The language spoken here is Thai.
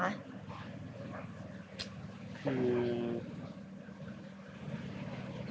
คือ